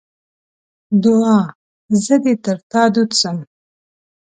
دوعا: زه دې تر تا دود سم.